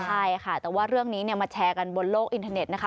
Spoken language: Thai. ใช่ค่ะแต่ว่าเรื่องนี้มาแชร์กันบนโลกอินเทอร์เน็ตนะคะ